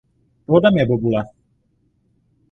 Plodem je bobule.